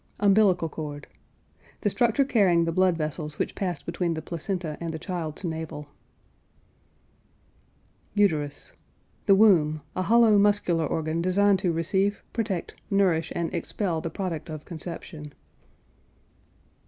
UMBILICAL CORD. The structure carrying the blood vessels which pass between the placenta and the child's navel. UTERUS. The womb: a hollow muscular organ designed to receive, protect, nourish, and expel the product of conception.